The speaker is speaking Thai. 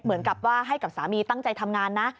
เหมือนกับว่าให้กับสามีตั้งใจทำงานนะ